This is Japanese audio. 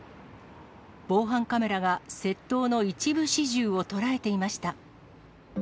防犯カメラが窃盗の一部始終を捉えていました。